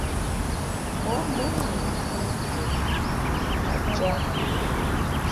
Mɔ mun ni mvi bon bi a jam.